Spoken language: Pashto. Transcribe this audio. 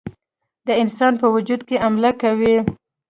د انسان په وجود حمله کوي.